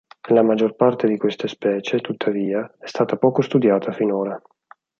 La maggior parte di queste specie, tuttavia, è stata poco studiata finora.